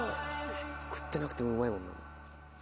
食ってなくてもうまいもん。